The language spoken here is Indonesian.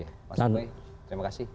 mas ubaid terima kasih